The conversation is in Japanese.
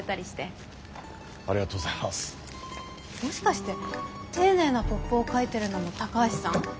もしかして丁寧なポップを書いてるのも高橋さん？